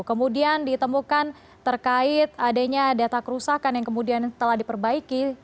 kemudian ditemukan terkait adanya data kerusakan yang kemudian telah diperbaiki